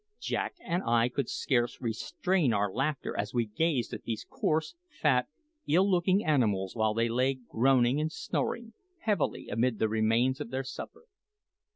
Jack and I could scarce restrain our laughter as we gazed at these coarse, fat, ill looking animals while they lay groaning and snoring heavily amid the remains of their supper.